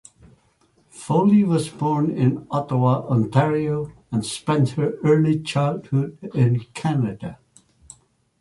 Foley was born in Ottawa, Ontario, and spent her early childhood in Canada.